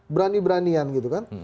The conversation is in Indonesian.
berani beranian gitu kan